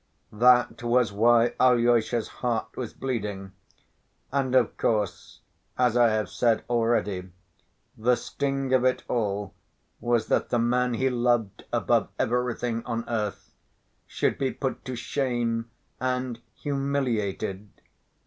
That was why Alyosha's heart was bleeding, and, of course, as I have said already, the sting of it all was that the man he loved above everything on earth should be put to shame and humiliated!